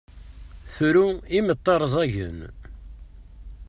Tru imeṭṭi rẓagen.